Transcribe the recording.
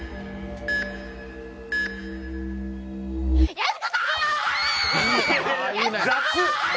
やす子さん！